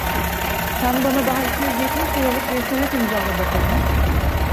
Sen bana daha iki yüz yetmiş liralık bir senet imzala bakayım…